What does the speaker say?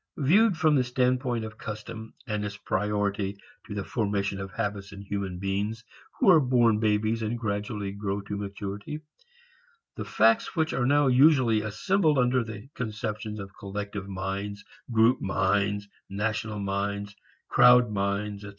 Viewed from the standpoint of custom and its priority to the formation of habits in human beings who are born babies and gradually grow to maturity, the facts which are now usually assembled under the conceptions of collective minds, group minds, national minds, crowd minds, etc.